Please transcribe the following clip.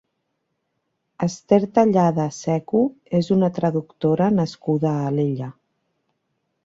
Esther Tallada Seco és una traductora nascuda a Alella.